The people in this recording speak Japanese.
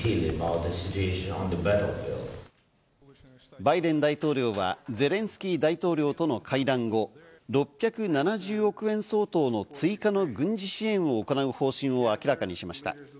バイデン大統領はゼレンスキー大統領との会談後、６７０億円相当の追加の軍事支援を行う方針を明らかにしました。